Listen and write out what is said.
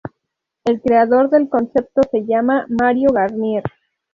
El creador del concepto se llama Mario Garnier.